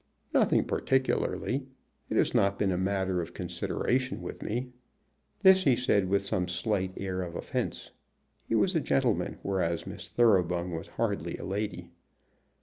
"Nothing particularly. It has not been a matter of consideration with me." This he said with some slight air of offence. He was a gentleman, whereas Miss Thoroughbung was hardly a lady.